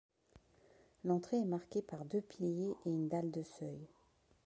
L'entrée est marquée par deux piliers et une dalle de seuil.